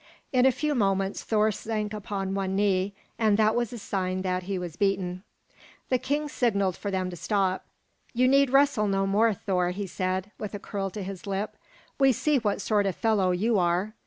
In a few moments Thor sank upon one knee, and that was a sign that he was beaten. The king signaled for them to stop. "You need wrestle no more, Thor," he said, with a curl to his lip, "we see what sort of fellow you are.